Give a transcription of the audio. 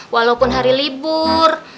walaupun hari libur